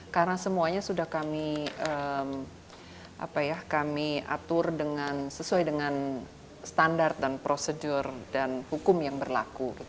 karena semuanya sudah kami atur sesuai dengan standar dan prosedur dan hukum yang berlaku